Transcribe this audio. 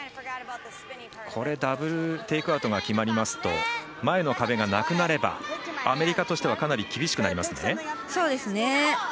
ダブル・テイクアウトが決まりますと前の壁がなくなればアメリカとしてはかなり厳しくなりますね。